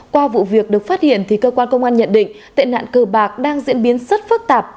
qua vụ việc được phát hiện thì cơ quan công an nhận định tệ nạn cờ bạc đang diễn biến rất phức tạp